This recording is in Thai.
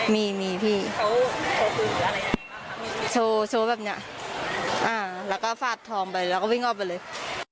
มีพี่โชว์แบบเนี้ยอ่าแล้วก็ฝาดทองไปแล้วก็วิ่งออกไปเลย